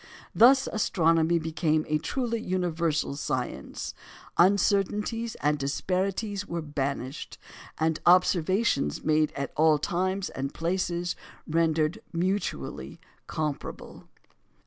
Thus astronomy became a truly universal science; uncertainties and disparities were banished, and observations made at all times and places rendered mutually comparable.